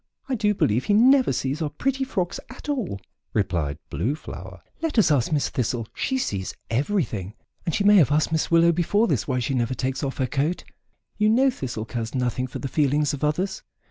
I do believe he never sees our pretty frocks at all," replied Blue Flower. "Let us ask Miss Thistle; she sees everything and she may have asked Miss Willow before this why she never takes off her coat; you know Thistle cares nothing for the feelings of others."